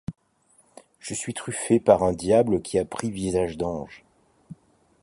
Ie suis truphée par ung diable qui a prins visaige d’ange.